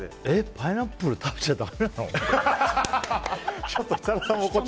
パイナップル食べちゃだめなの。